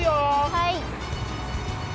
はい！